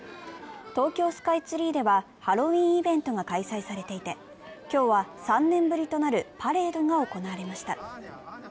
東京スカイツリーでは、ハロウィーンイベントが開催されていて、今日は３年ぶりとなるパレードが行われました。